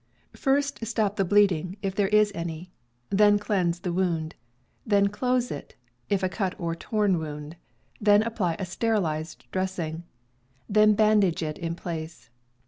First stop the bleeding, if there is any; then cleanse the wound; then close it, if a cut or torn wound; then apply a sterilized dressing; then bandage it in place.